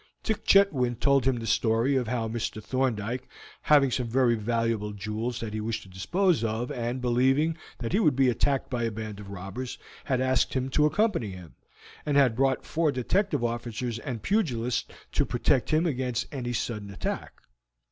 Dick Chetwynd told him the story of how Mr. Thorndyke, having some very valuable jewels that he wished to dispose of, and believing that he would be attacked by a band of robbers, had asked him to accompany him, and had brought four detective officers and pugilists to protect him against any sudden attack.